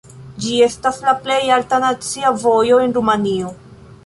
Ĝi estas la plej alta nacia vojo de Rumanio.